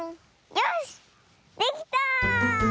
よしできた！